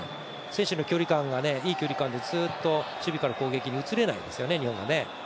選手の距離感が、いい距離感でずっと守備から攻撃に移れないですよね日本がね。